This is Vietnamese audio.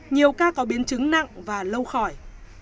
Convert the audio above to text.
nhiều ca có biến chứng nặng và lâu khỏi